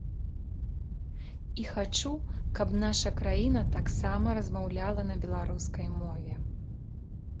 І хачу, каб наша краіна таксама размаўляла на беларускай мове.